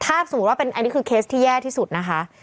ถ้าสมมุติว่าเป็นอันนี้คือเคสที่แย่ที่สุดนะคะ